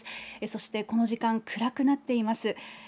そしてこの時間、暗くなっています。